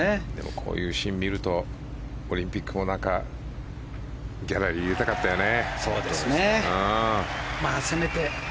こういうシーンを見るとオリンピックもなんかギャラリーを入れたかったよね。